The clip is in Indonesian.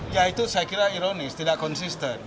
ya itu saya kira ironis tidak konsisten